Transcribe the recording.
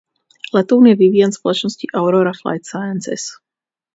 Letoun je vyvíjen společností Aurora Flight Sciences.